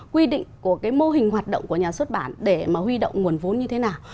quy định của cái mô hình hoạt động của nhà xuất bản để mà huy động nguồn vốn như thế nào